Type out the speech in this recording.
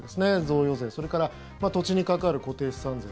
贈与税、それから土地にかかる固定資産税